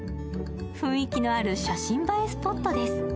雰囲気のある写真映えスポットです。